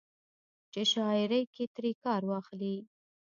چې شاعرۍ کښې ترې کار واخلي